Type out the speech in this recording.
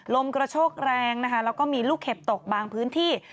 ลมกระโชกแรงนะคะแล้วก็มีลูกเห็บตกบางพื้นที่